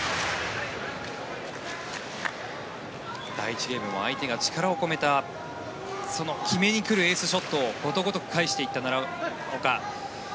第１ゲームも相手が力を込めたその決めに来るエースショットをことごとく返していった奈良岡。